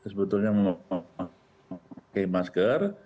sebetulnya memakai masker